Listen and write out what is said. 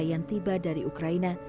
yang tiba dari ukraina